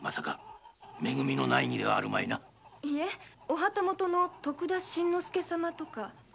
お旗本の徳田新之助様とか。